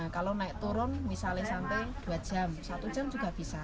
kalau naik turun misalnya sampai dua jam satu jam juga bisa